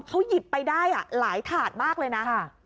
เขาหยิบไปได้หลายถาดมากเลยนะ